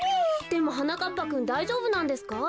でもはなかっぱくんだいじょうぶなんですか？